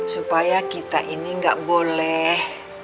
supaya kita ini nggak boleh